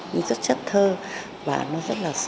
nó rất chất thơ và nó rất là sâu